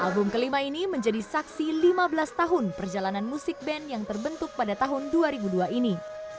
album kelima ini menjadi saksi lima belas tahun perjalanan musik band yang terbentuk pada tahun dua ribu dua ini